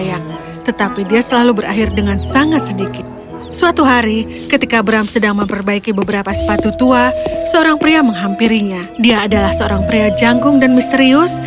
adalah seorang pria janggung dan misterius